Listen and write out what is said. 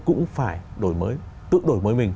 cũng phải đổi mới tự đổi mới mình